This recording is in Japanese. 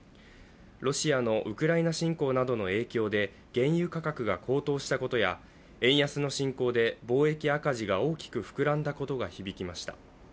ロシアのウクライナ侵攻などの影響で原油価格が高騰したことや円安の進行で貿易赤字が大きく膨らんだことが響きました。